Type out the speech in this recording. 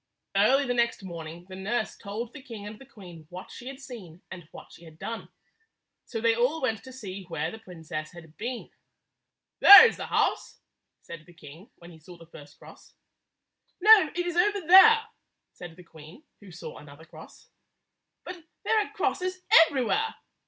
Early the next morning the nurse told the king and the queen what she had seen and what she had done. So they all went to see where the princess had been. "There is the house," said the king when he saw the first cross. "No; it is over there," said the queen, who saw another cross. "But there are crosses everywhere!"